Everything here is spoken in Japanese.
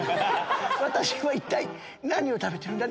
私は一体何を食べてるんだ？